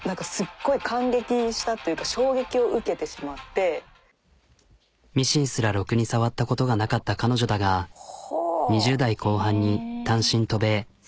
もうミシンすらろくに触ったことがなかった彼女だが２０代後半に単身渡米。